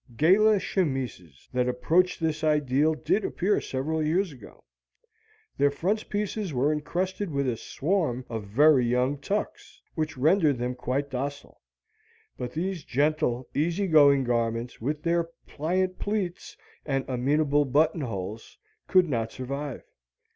Gala chemises that approached this ideal did appear several seasons ago. Their frontispieces were encrusted with a swarm of very young tucks, which rendered them quite docile. But these gentle, easy going garments, with their pliant pleats and amenable button holes, could not survive.